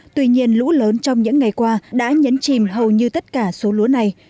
tuy nhiên lũ lớn trong những ngày qua đã nhấn chìm hầu như tất cả số lúa này